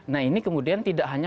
nah ini kemudian tidak hanya